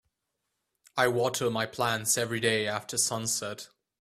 I water my plants everyday after sunset.